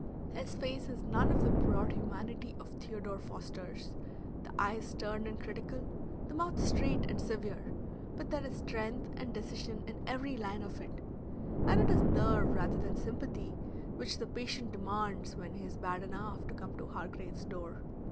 His face has none of the broad humanity of Theodore Foster's, the eye is stern and critical, the mouth straight and severe, but there is strength and decision in every line of it, and it is nerve rather than sympathy which the patient demands when he is bad enough to come to Hargrave's door.